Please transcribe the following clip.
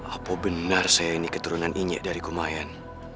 apa benar saya ini keturunan ini dari kumaian